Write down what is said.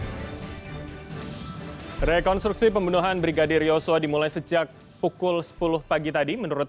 hai rekonstruksi pembunuhan brigadir yosua dimulai sejak pukul sepuluh pagi tadi menurut